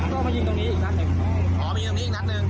ก็มายิงตรงนี้อีกนัดหนึ่งอ๋อมีตรงนี้อีกนัดหนึ่ง